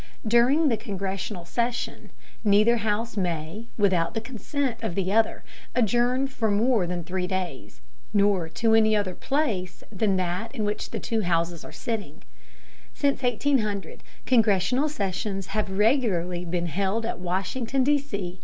During the congressional session, neither house may, without the consent of the other, adjourn for more than three days, nor to any other place than that in which the two houses are sitting. Since 1800 congressional sessions have regularly been held at Washington, D. C.